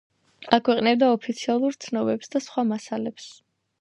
აქვეყნებდა ოფიციალურ ცნობებს და სხვა მასალებს.